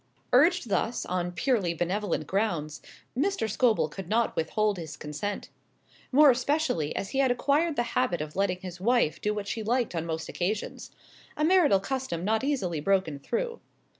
Urged thus, on purely benevolent grounds, Mr. Scobel could not withhold his consent; more especially as he had acquired the habit of letting his wife do what she liked on most occasions a marital custom not easily broken through.